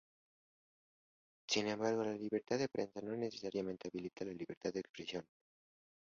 Sin embargo, la libertad de prensa no necesariamente habilita la libertad de expresión.